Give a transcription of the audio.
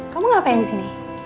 kamu ngapain disini